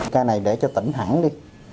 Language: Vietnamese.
cái này để cho tỉnh hẳn đi